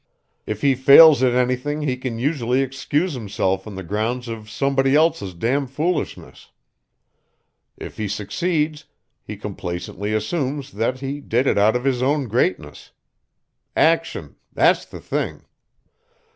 If he fails at anything he can usually excuse himself on the grounds of somebody else's damnfoolishness. If he succeeds he complacently assumes that he did it out of his own greatness. Action that's the thing.